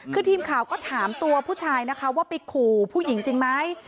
คือทีมข่าวก็ถามตัวผู้ชายนะคะว่าไปขู่ผู้หญิงจริงไหม